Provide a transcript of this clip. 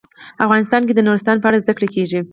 افغانستان کې د نورستان په اړه زده کړه کېږي.